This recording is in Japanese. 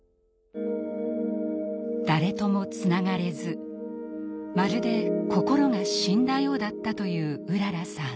誰ともつながれずまるで心が死んだようだったといううららさん。